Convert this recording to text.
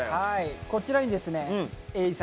はいこちらにですね瑛